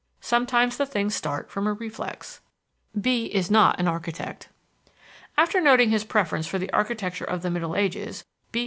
Sometimes the things start from a reflex...." After having noted his preference for the architecture of the Middle Ages, B......